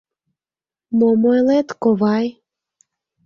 Мом ойлет, ковай?